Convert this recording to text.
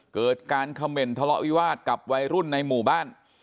เกิดการเขม่นทะเลาะวิวาสกับวัยรุ่นในหมู่บ้าน